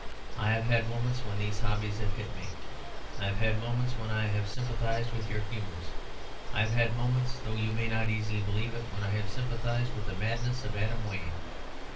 I have had moments when these hobbies have hit me. I have had moments when I have sympathised with your humours. I have had moments, though you may not easily believe it, when I have sympathised with the madness of Adam Wayne.